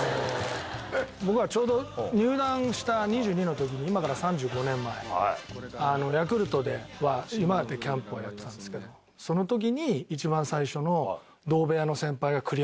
僕がちょうど入団した２２の時今から３５年前ヤクルトではユマでキャンプをやってたんですけどその時一番最初の。